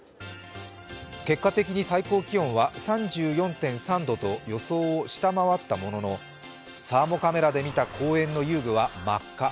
結果的に最高気温は３４．３度と予想を下回ったものの、サーモカメラで見た公園の遊具は真っ赤。